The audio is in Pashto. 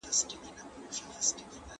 نفلي عمل پر واجب عمل مه مخکې کوئ.